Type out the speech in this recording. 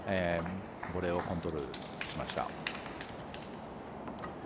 ボールをコントロールしました。